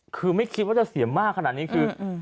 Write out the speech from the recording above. คือไม่คิดว่าจะเสียมากขนาดนี้คือ